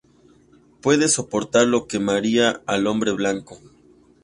Pueden soportar lo que mataría al hombre blanco".